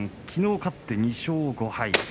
きのう勝って２勝５敗。